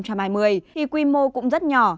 thì quy mô cũng rất nhỏ